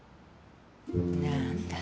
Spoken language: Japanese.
何だ。